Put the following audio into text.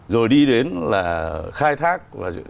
rồi đi đến là khai thác